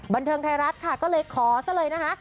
บันเทิงไทยรัฐค่ะก็เลยขอซะเลยนะคะ